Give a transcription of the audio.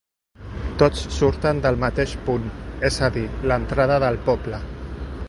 Tots surten del mateix punt, és a dir, l'entrada del poble.